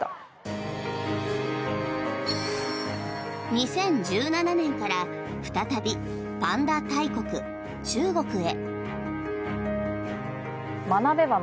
２０１７年から再びパンダ大国・中国へ。